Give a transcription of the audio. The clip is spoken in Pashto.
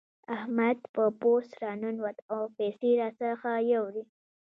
احمد په پوست راننوت او پيسې راڅخه يوړې.